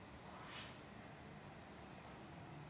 父亲是初代藩主上杉景胜。